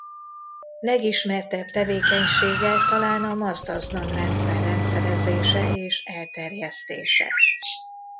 Legismertebb tevékenysége talán a mazdaznan-rendszer rendszerezése és elterjesztése.